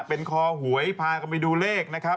เป็นคอหวยพากันไปดูเลขนะครับ